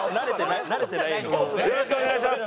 よろしくお願いします。